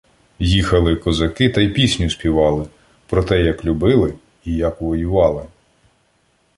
Їхали козаки та й пісню співали. Про те, як любили і як воювали